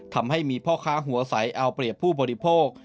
ทำให้มีพ่อค้าหัวใสเอาเปรียบผู้บริโภค